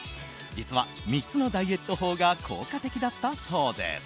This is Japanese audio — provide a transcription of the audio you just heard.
実は、３つのダイエット法が効果的だったそうです。